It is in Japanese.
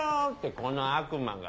この悪魔が。